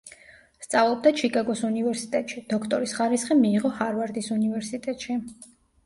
სწავლობდა ჩიკაგოს უნივერსიტეტში, დოქტორის ხარისხი მიიღო ჰარვარდის უნივერსიტეტში.